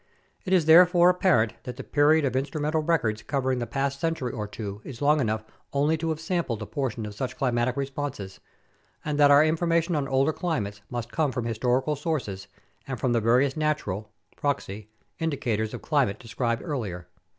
It is there fore apparent that the period of instrumental records covering the past century or two is long enough only to have sampled a portion of such climatic responses, and that our information on older climates must come from historical sources and from the various natural (proxy) indicators of climate described earlier.